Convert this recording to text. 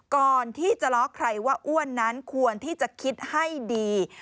ก่อนที่จะล้อใครว่าอ้วนนั้นควรที่จะคิดให้ดี